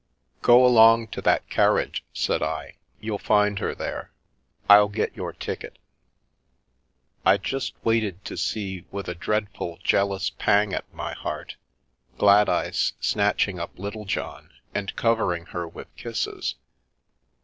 " Go along to that carriage," said I. " You'll find her there. I'll get your ticket." I just waited to see, with a dreadful, jealous pang at my heart, Gladeyes snatching up Littlejohn and cov ering her with kisses.